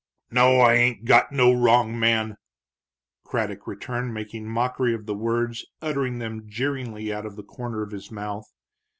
"No, I ain't got no wrong man!" Craddock returned, making mockery of the words, uttering them jeeringly out of the corner of his mouth.